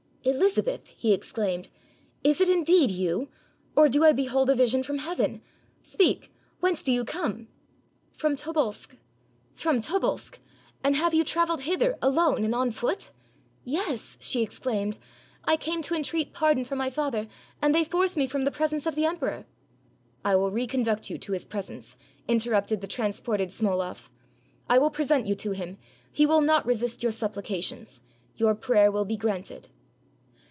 "Elizabeth," he exclaimed, "is it indeed you? or do I behold a vision from heaven? Speak, whence do you come?" — "From Tobolsk." — ''From Tobolsk! and have you traveled hither, alone, and on foot?" — "Yes," she exclaimed, "I came to entreat pardon for my father, and they force me from the presence of the emperor." — "I will reconduct you to his presence," interrupted the transported Smoloff ; "I will present you to him: he will not resist your sup plications: your prayer will be granted."